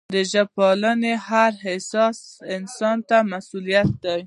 د ژبې پالنه د هر با احساسه انسان مسؤلیت دی.